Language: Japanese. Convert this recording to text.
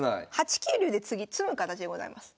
８九竜で次詰む形でございます。